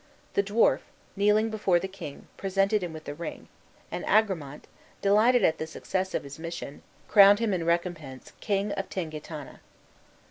The dwarf, kneeling before the king, presented him with the ring, and Agramant, delighted at the success of his mission, crowned him in recompense King of Tingitana.